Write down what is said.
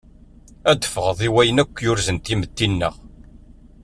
Ad ffɣeḍ i wayen akk yurzen timetti-nneɣ.